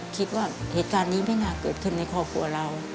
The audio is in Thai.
คิดว่าเหตุการณ์นี้ไม่น่าเกิดขึ้นในครอบครัวเรา